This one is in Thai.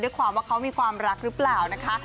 ความว่าเขามีความรักหรือเปล่านะคะ